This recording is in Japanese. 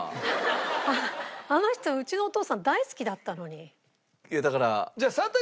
あの人うちのお父さん大好きだったのに。